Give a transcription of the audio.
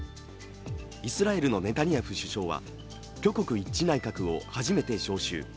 イスラエルのネタニヤフ首相は挙国一致内閣を初めて招集。